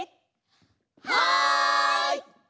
はい！